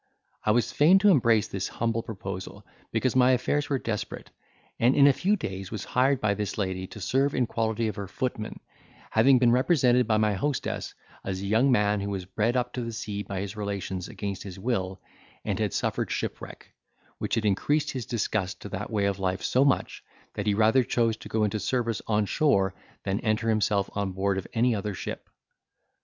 I was fain to embrace this humble proposal, because my affairs were desperate; and in a few days was hired by this lady, to serve in quality of her footman, having been represented by my hostess as a young man who was bred up to the sea by his relations against his will, and had suffered shipwreck, which had increased his disgust to that way of life so much, that he rather chose to go to service on shore, than enter himself on board of any other ship.